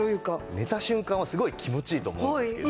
寝た瞬間はすごい気持ちいいと思うんですけど。